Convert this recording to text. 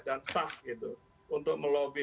dan sah gitu untuk melobby